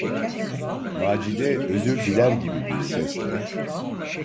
Macide özür diler gibi bir sesle: